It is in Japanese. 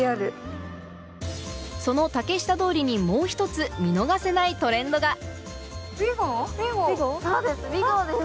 ・その竹下通りにもう１つ見逃せないトレンドがそうです